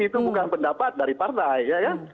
itu bukan pendapat dari partai ya